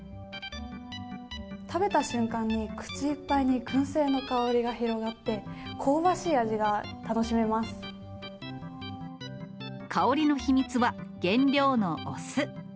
食べた瞬間に口いっぱいにくん製の香りが広がって、香ばしい香りの秘密は、原料のお酢。